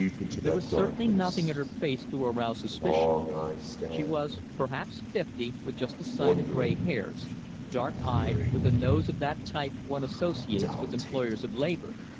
There was certainly nothing in her face to arouse suspicion. She was perhaps fifty, with just a sign of grey hairs, dark eyed, with a nose of that type one associates with employers of labour.